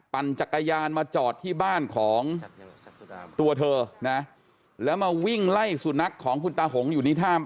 ปั่นจักรยานมาจอดที่บ้านของตัวเธอนะแล้วมาวิ่งไล่สุนัขของคุณตาหงอยู่ในถ้ำ